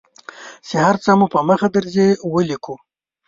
چې هر څه مو په مخه درځي ولیکو.